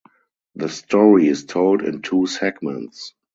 The story is told in two segments.